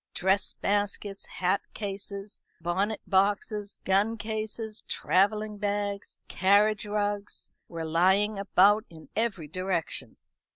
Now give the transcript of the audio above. Dress baskets, hat cases, bonnet boxes, gun cases, travelling bags, carriage rugs, were lying about in every direction.